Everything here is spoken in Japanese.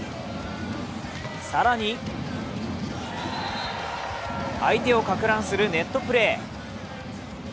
更に相手をかく乱するネットプレー。